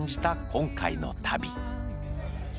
今回の旅。